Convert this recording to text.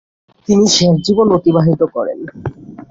তিনি শেষ জীবন অতিবাহিত করেন।